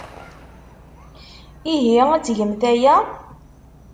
Ihi, ad tgemt aya?